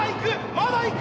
まだいく？